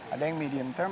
ada yang medium term